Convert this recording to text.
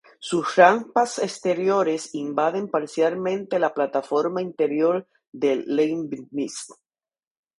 Sus rampas exteriores invaden parcialmente la plataforma interior de Leibnitz.